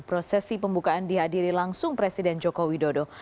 prosesi pembukaan dihadiri langsung presiden joko widodo